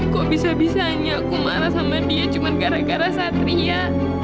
kok bisa bisa hanya aku marah sama dia cuma gara gara satria